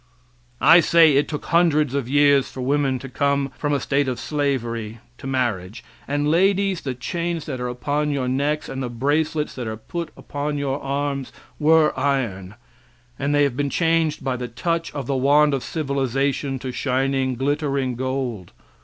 I say it took hundreds of years for woman to come from a state of slavery to marriage; and ladies, the chains that are upon your necks and the bracelets that are put upon your arms were iron, and they have been changed by the touch of the wand of civilization to shining, glittering gold.